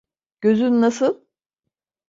Gözün nasıl?